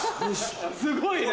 すごいね！